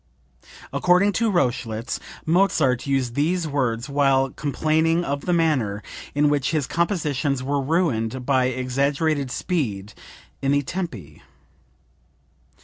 (According to Rochlitz Mozart used these words while complaining of the manner in which his compositions were ruined by exaggerated speed in the tempi.)